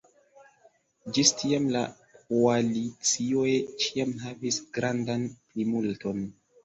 Ĝis tiam la koalicioj ĉiam havis grandan plimulton.